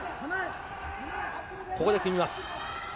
ここで組みます。